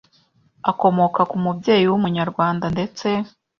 akomoka ku mubyeyi w’umunyarwanda ndetse